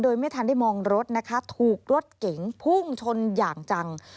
โดยไม่ทันได้มองรถนะคะถูกรถเก๋งพุ่งชนอย่างจัง